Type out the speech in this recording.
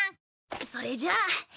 それじゃあ。